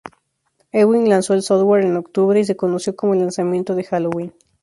Ewing lanzó el software en octubre, y se conoció como el lanzamiento de Halloween.